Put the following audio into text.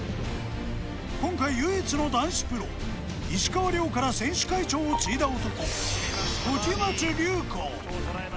今回、唯一の男子プロ、石川遼から選手会長を継いだ男・時松隆光。